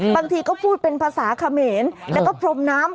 บางทีก็พูดเป็นภาษาเขมรแล้วก็พรมน้ำ